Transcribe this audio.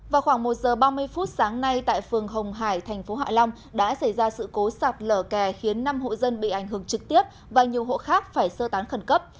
vào khoảng một giờ ba mươi phút sáng nay tại phường hồng hải thành phố hạ long đã xảy ra sự cố sạt lở kè khiến năm hộ dân bị ảnh hưởng trực tiếp và nhiều hộ khác phải sơ tán khẩn cấp